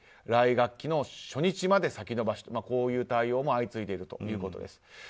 来学期の初日まで先延ばしとこういう対応も相次いでいるということです。